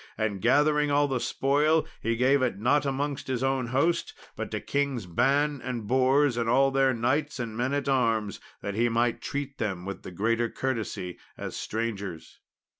And gathering all the spoil, he gave it not amongst his own host, but to Kings Ban and Bors and all their knights and men at arms, that he might treat them with the greater courtesy as strangers.